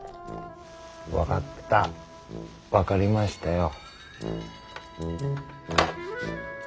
分かった分かりましたよ。